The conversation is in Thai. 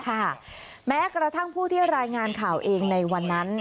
แม้กระทั่งผู้ที่รายงานข่าวเองในวันนั้น